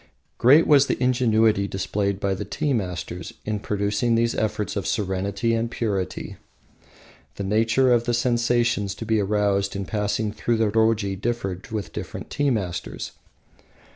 Great was the ingenuity displayed by the tea masters in producing these effects of serenity and purity. The nature of the sensations to be aroused in passing through the roji differed with different tea masters.